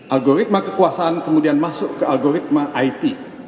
algoritma kekuasaan kemudian masuk ke algoritma it